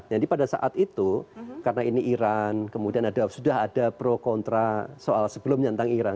jadi pada saat itu karena ini iran kemudian sudah ada pro kontra soal sebelum nyantang iran